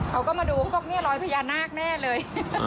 เขาก็มาดูเขาบอกนี่รอยพญานาคแน่เลย